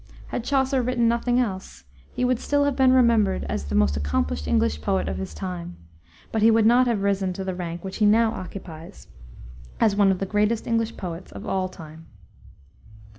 Had Chaucer written nothing else, he would still have been remembered as the most accomplished English poet of his time, but he would not have risen to the rank which he now occupies, as one of the greatest English poets of all time.